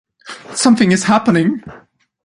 Something is happening.